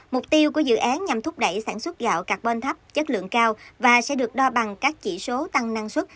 mục tiêu của dự án nhằm thúc đẩy sản xuất gạo carbon thấp chất lượng cao và sẽ được đo bằng các chỉ số tăng năng suất